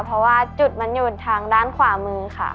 เพราะว่าจุดมันอยู่ทางด้านขวามือค่ะ